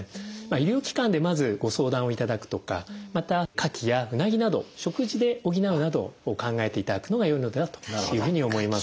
医療機関でまずご相談をいただくとかまたカキやウナギなど食事で補うなどを考えていただくのがよいのではというふうに思います。